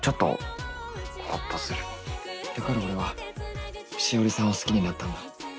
だから俺はしおりさんを好きになったんだ。